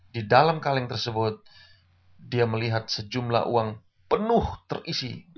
di dalam kaleng tersebut dia melihat sejumlah uang penuh terisi